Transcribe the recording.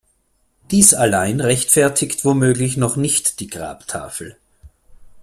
Dies allein rechtfertigt womöglich noch nicht die Grabtafel.